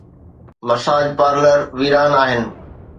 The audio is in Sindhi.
مساج پارلر ويران آهن.